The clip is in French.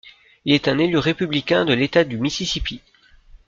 Il est un élu républicain de l'état du Mississippi.